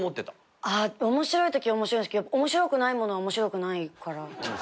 面白いときは面白いんですけど面白くないものは面白くないから。